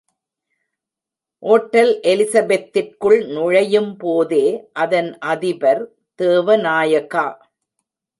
Hotel எலிசபெத்திற்குள் நுழையும்போதே அதன் அதிபர் தேவநாயகா.